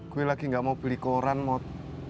gue lagi enggak mau beli koran mot